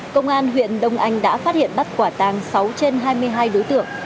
công an huyện đông anh đã phát hiện bắt quả tàng sáu trên hai mươi hai đối tượng